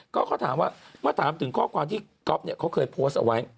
ก็เขาถามว่าถามถึงข้อความที่ก๊อปเขาเคยโพสต์เอาไว้